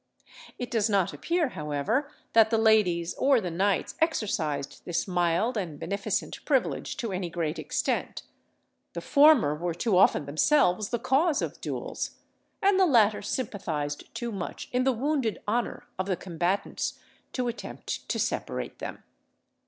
It does not appear, however, that the ladies or the knights exercised this mild and beneficent privilege to any great extent; the former were too often themselves the cause of duels, and the latter sympathised too much in the wounded honour of the combatants to attempt to separate them.